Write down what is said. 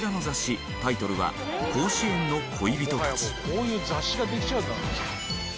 こういう雑誌ができちゃうんだもんね。